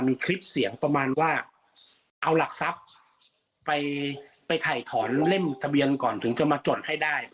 มีคลิปเสียงประมาณว่าเอาหลักทรัพย์ไปไปถ่ายถอนเล่มทะเบียนก่อนถึงจะมาจดให้ได้